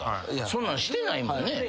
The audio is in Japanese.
そんなんしてないもんね。